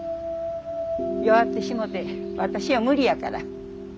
弱ってしもて私は無理やから。